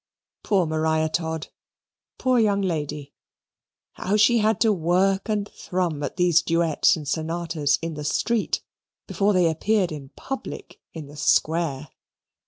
Poor Maria Todd; poor young lady! How she had to work and thrum at these duets and sonatas in the Street, before they appeared in public in the Square!